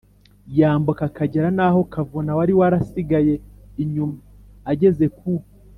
yambuka akagera. naho kavuna wari warasigaye inyuma, ageze ku